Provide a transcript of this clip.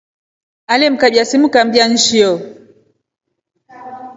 Ale mkabya simu kambia nshio.